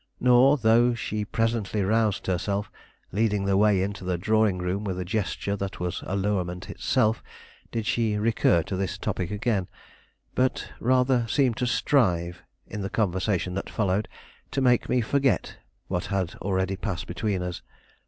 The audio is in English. Nor, though she presently roused herself, leading the way into the drawing room with a gesture that was allurement itself, did she recur to this topic again; but rather seemed to strive, in the conversation that followed, to make me forget what had already passed between us.